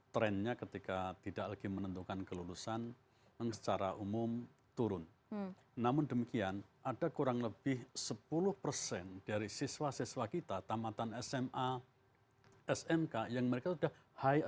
terima kasih pak menteri